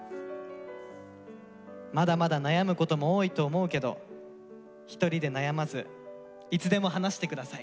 まだまだ悩むことも多いと思うけど一人で悩まずいつでも話して下さい」。